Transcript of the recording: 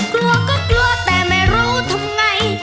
กลัวก็กลัวแต่ไม่รู้ทำไง